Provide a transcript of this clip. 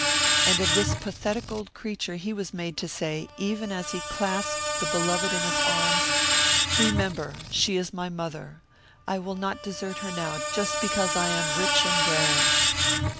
And of this pathetic old creature he was made to say, even as he clasped the beloved in his arms "Remember, she is my mother. I will not desert her now just because I am rich and grand!"